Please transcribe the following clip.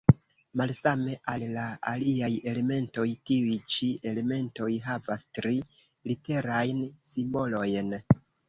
Malsame ol la aliaj elementoj, tiuj ĉi elementoj havas tri-literajn simbolojn.